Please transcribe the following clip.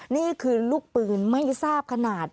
นี่คือลูกปืนไม่ทราบขนาด